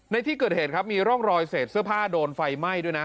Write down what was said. ในที่เกิดเหตุครับมีร่องรอยเศษเสื้อผ้าโดนไฟไหม้ด้วยนะ